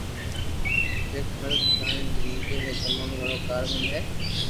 جيڪو هر ڪنهن جي زندگي ۾ تمام گهڻو ڪارآمد آهي